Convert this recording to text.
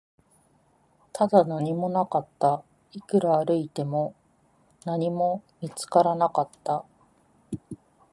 ただ、何もなかった、いくら歩いても、何も見つからなかった